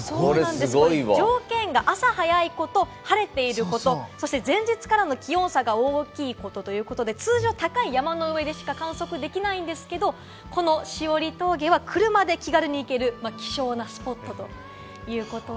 条件が朝早いこと、晴れていること、前日からの気温差が大きいことということで、通常、高い山の上でしか観測できないんですけれども、この枝折峠は車で気軽に行ける希少なスポットということなんで。